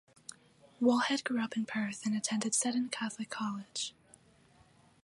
Wallhead grew up in Perth and attended Seton Catholic College.